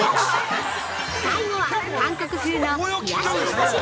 ◆最後は韓国風の冷やしみそ汁。